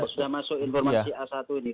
sudah masuk informasi a satu ini